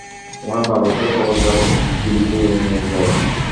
তোমার বাবাকে খবর দাও, বিদেয় নিয়ে যাই।